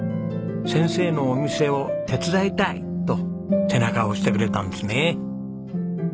「先生のお店を手伝いたい！」と背中を押してくれたんですね。